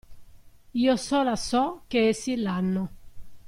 Io sola so che essi l'hanno.